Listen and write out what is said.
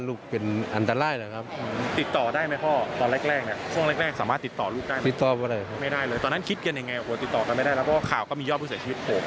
ติดต่อกันไม่ได้แล้วก็ข่าวก็มียอมผู้เสียชีวิตขโมยขึ้นมาด้วย